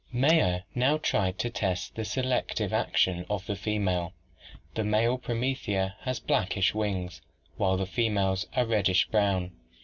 "Mayer now tried to test the selective action of the female. The male promethea has blackish wings while the females are reddish brown.